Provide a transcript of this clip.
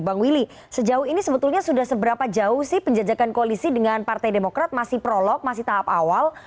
bang willy sejauh ini sebetulnya sudah seberapa jauh sih penjajakan koalisi dengan partai demokrat masih prolog masih tahap awal